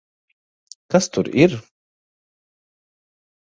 Kas tur ir?